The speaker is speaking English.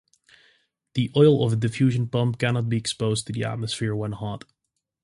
The oil of a diffusion pump cannot be exposed to the atmosphere when hot.